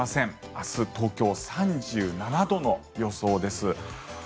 明日、東京３７度の予想です。